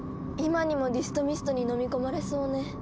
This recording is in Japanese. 今にもディストミストにのみ込まれそうね。